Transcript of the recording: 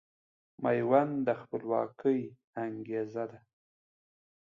ميوند د خپلواکۍ انګېزه ده